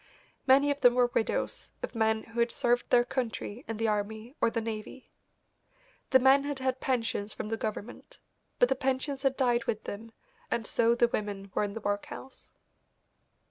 Many of them were widows of men who had served their country in the army or the navy. The men had had pensions from the government, but the pensions had died with them, and so the women were in the workhouse.